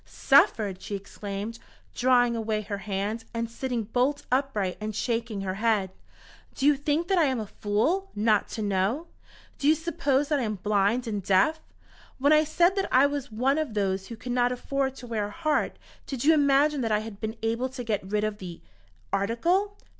"Suffered!" she exclaimed, drawing away her hand, and sitting bolt upright and shaking her head. "Do you think that I am a fool, not to know! Do you suppose that I am blind and deaf? When I said that I was one of those who could not afford to wear a heart, did you imagine that I had been able to get rid of the article?